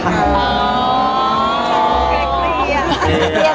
อ๋อแค่เคลียร์